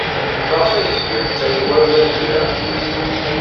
Maɣef ay tgamt aya war ma lliɣ?